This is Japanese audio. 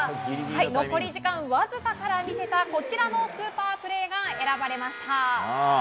残り時間わずかから見せたスーパープレーが選ばれました。